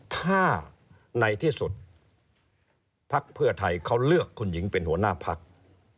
ถ้าในที่สุดภักดิ์เพื่อไทยเขาเลือกคุณหญิงเป็นหัวหน้าพัก